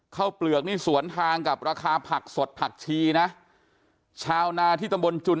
เปลือกนี่สวนทางกับราคาผักสดผักชีนะชาวนาที่ตำบลจุน